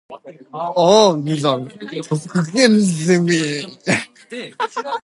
ああ無惨～極限責め～